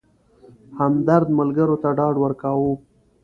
همدرد ملګرو ته ډاډ ورکاوه.